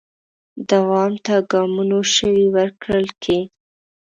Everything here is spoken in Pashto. دوام ته ګامونو شوي ورکړل کې